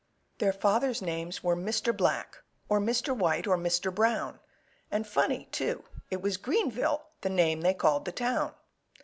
Their fathers' names were Mr. Black, Or Mr. White, or Mr. Brown; And, funny, too, it was Greenville The name they called the town.